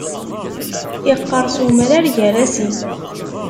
Iqqeṛṣ umrar gar-asen.